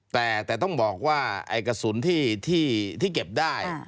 แต่ต้องบอกว่าไอ้กระสุนที่เก็บได้